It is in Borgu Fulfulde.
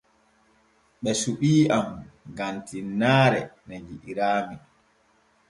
Ɓe suɓii am gam tinnaare ne ji'iraami.